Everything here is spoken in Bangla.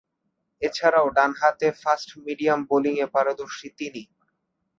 এছাড়াও ডানহাতে ফাস্ট-মিডিয়াম বোলিংয়ে পারদর্শী তিনি।